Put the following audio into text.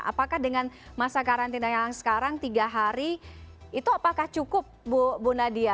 apakah dengan masa karantina yang sekarang tiga hari itu apakah cukup bu nadia